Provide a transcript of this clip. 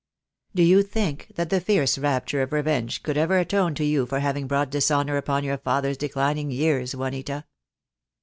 Do you think that the fierce rapture of revenge could ever atone to you for having brought dishonour upon your father's declining years, Juanita?"